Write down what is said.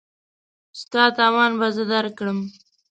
ستا تاوان به زه درکړم.